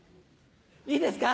いいですか？